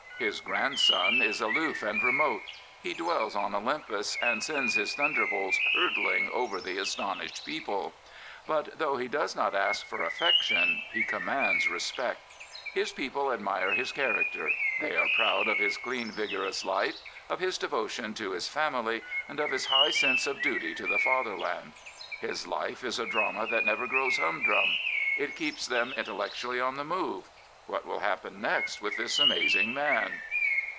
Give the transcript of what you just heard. His grandson is aloof and remote. He dwells on Olympus and sends his thunderbolts hurtling over the astonished people. But though he does not ask for affection, he commands respect. His people admire his character. They are proud of his clean, vigorous life, of his devotion to his family, of his high sense of duty to the Fatherland. His life is a drama that never grows humdrum. It keeps them intel lectually on the move. What will happen next with this amazing man